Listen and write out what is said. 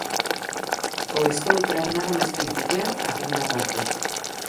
Ou estoutra nada máis principiar a segunda parte.